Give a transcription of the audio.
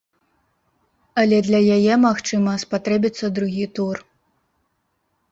Але для яе, магчыма, спатрэбіцца другі тур.